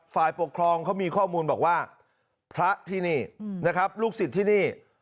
ฝ่ายปกครองเขามีข้อมูลบอกว่าพระที่นี่นะครับลูกศิษย์ที่นี่